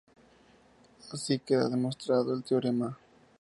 Así queda demostrado el teorema.